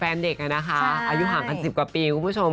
แฟนเด็กนะคะอายุห่างกัน๑๐กว่าปีคุณผู้ชม